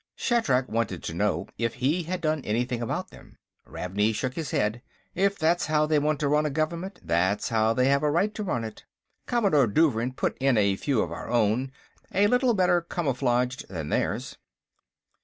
Shatrak wanted to know if he had done anything about them. Ravney shook his head. "If that's how they want to run a government, that's how they have a right to run it. Commander Douvrin put in a few of our own, a little better camouflaged than theirs."